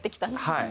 はい。